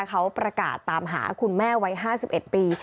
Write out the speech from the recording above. เขาประกาศตามหาคุณแม่วัย๕๑ปี